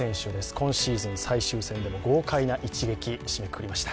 今シーズン最終戦でも豪快な一撃で締めくくりました。